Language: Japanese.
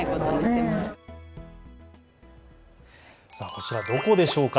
こちらはどこでしょうか。